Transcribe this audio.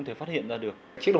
thế cái loại này là của nước nào